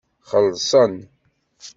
Xellṣen.